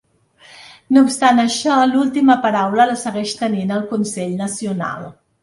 No obstant això, l’última paraula la segueix tenint el consell nacional.